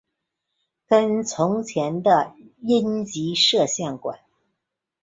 跟从前的阴极射线管和等离子技术相比迟滞明显。